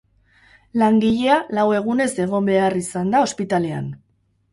Langilea lau egunez egon behar izan da ospitalean.